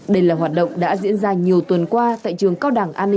đây là hoạt động đã diễn ra nhiều tuần qua tại trường cao đẳng an ninh dân một